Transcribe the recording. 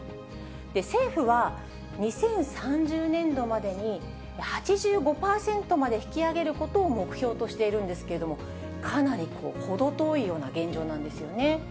政府は２０３０年度までに８５％まで引き上げることを目標としているんですけれども、かなり程遠いような現状なんですよね。